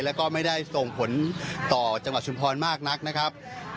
แล้วก็ไม่ได้ส่งผลต่อจังหวัดชุมพรมากนักนะครับ